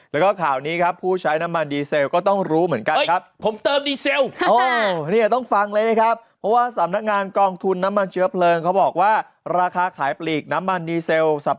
แล้วก็ข่าวนี้ครับผู้ใช้น้ำมันดีเซลก็ต้องรู้เหมือนกันครับ